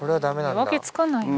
見分けつかないな。